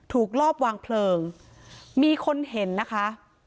รอบวางเพลิงมีคนเห็นนะคะ